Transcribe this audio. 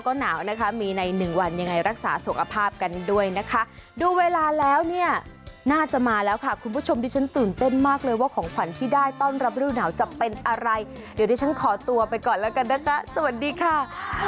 ว่าของขวัญที่ได้ต้อนรับรูหนาวจะเป็นอะไรเดี๋ยวดิฉันขอตัวไปก่อนแล้วกันนะคะสวัสดีค่ะ